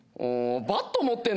バット持ってるの？